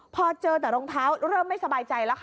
พอเจอแต่รองเท้าเริ่มไม่สบายใจแล้วค่ะ